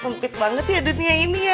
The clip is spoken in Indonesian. sempit banget ya dunia ini ya